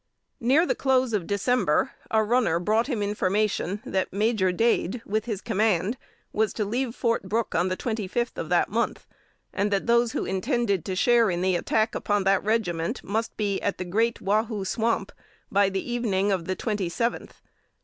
Near the close of December, a runner brought him information that Major Dade, with his command, was to leave Fort Brooke on the twenty fifth of that month, and that those who intended to share in the attack upon that regiment, must be at the great "Wahoo Swamp," by the evening of the twenty seventh.